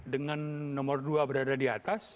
dengan nomor dua berada di atas